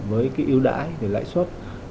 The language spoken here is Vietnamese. với cái ưu đãi cái lãi suất